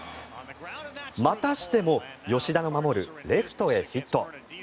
またしても吉田が守るレフトへヒット。